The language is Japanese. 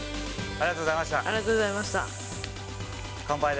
ありがとうございます。